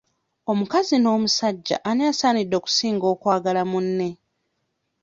Omukazi n'omusajja ani asaanidde okusinga okwagala munne?